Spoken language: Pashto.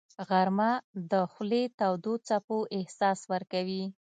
غرمه د خولې تودو څپو احساس ورکوي